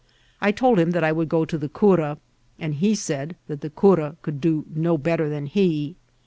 I told him that I would go to the cura, and he said that the cura could do no better than he.